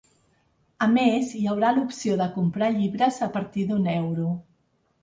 A més, hi haurà l’opció de comprar llibres a partir d’un euro.